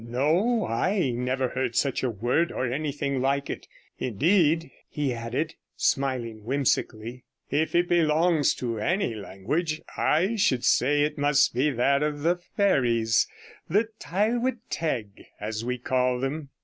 'No, I never heard such a word, or anything like it. Indeed,' he added, smiling whimsically, 'if it belongs to any language, I should say it must be that of the fairies the Tylwydd Teg, as we call them.'